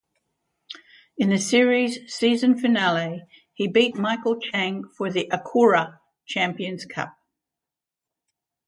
In the series season finale, he beat Michael Chang for the Acura Champions Cup.